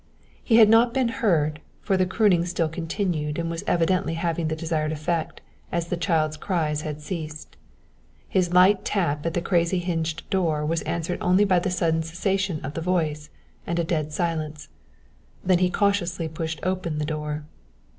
"He had not been heard, for the crooning still continued and was evidently having the desired effect, as the child's cries had ceased. His light tap at the crazy hinged door was answered only by the sudden cessation of the voice, and a dead silence. Then he cautiously pushed open the door.